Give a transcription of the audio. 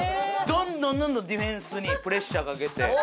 どんどんどんどんディフェンスにプレッシャーかけて。